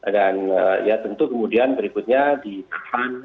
ya tentu kemudian berikutnya ditahan